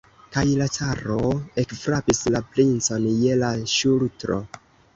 Kaj la caro ekfrapis la princon je la ŝultro.